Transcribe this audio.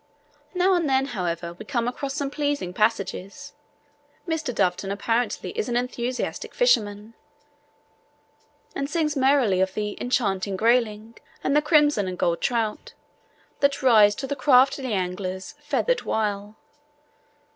Now and then, however, we come across some pleasing passages. Mr. Doveton apparently is an enthusiastic fisherman, and sings merrily of the 'enchanting grayling' and the 'crimson and gold trout' that rise to the crafty angler's 'feathered wile.'